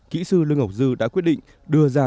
kỹ sư lương ngọc dư đã quyết định đưa ra